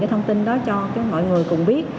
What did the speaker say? cái thông tin đó cho mọi người cùng biết